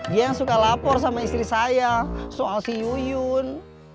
dia yang suka lapor sama istri saya soal si yuyun